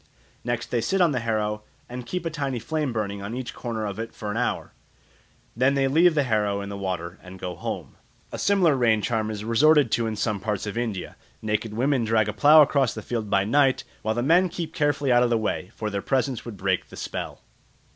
Next they sit on the harrow and keep a tiny flame burning on each corner of it for an hour. Then they leave the harrow in the water and go home. A similar rain charm is resorted to in some parts of India; naked women drag a plough across a field by night, while the men keep carefully out of the way, for their presence would break the spell.